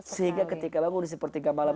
sehingga ketika bangun si per tiga malam